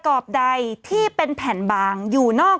กรมป้องกันแล้วก็บรรเทาสาธารณภัยนะคะ